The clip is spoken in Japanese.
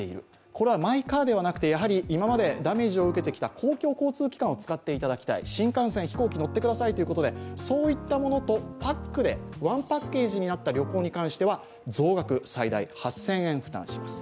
これはマイカーではなくて、今までダメージを受けていた公共交通機関を使っていただきたい、新幹線、飛行機に乗ってくださいということでそういったものとパックで、ワンパッケージになった旅行に関しては増額、最大８０００円負担します。